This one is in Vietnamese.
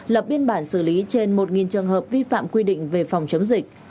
lập biên bản xử lý trên một trường hợp vi phạm quy định về phòng chống dịch